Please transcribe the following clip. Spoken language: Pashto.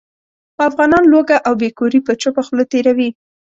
خو افغانان لوږه او بې کوري په چوپه خوله تېروي.